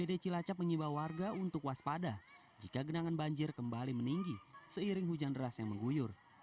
bpd cilacap mengiba warga untuk waspada jika genangan banjir kembali meninggi seiring hujan deras yang mengguyur